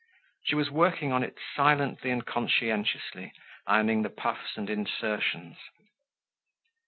She was working on it silently and conscientiously, ironing the puffs and insertions.